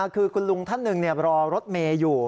คุณลุงอาทรนนึงรอรถเมล์อยู่